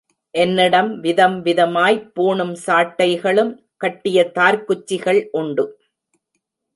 என்னிடம் விதம் விதமாய்ப் பூணும் சாட்டைகளும் கட்டிய தார்க்குச்சிகள் உண்டு.